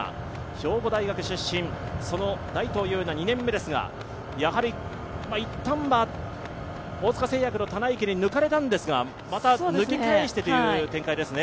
兵庫大学出身の大東優奈、２年目ですが、やはりいったんは大塚製薬の棚池に抜かれたんですが、また抜き返してという展開ですね。